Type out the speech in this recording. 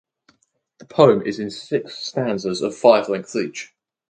The poem is in six stanzas of five lines each.